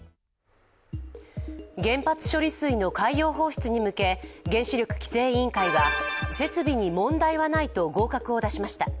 原発処理水の海洋放出について、原子力規制委員会は設備に問題はないと合格を出しました。